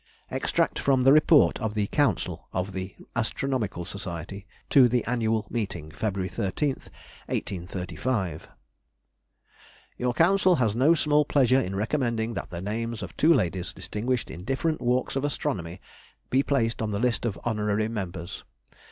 Extract from the Report of the Council of the Astronomical Society to the Annual Meeting, Feb. 13, 1835. "Your Council has no small pleasure in recommending that the names of two ladies, distinguished in different walks of astronomy, be placed on the list of honorary members.